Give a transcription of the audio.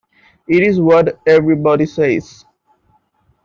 It is what everybody says.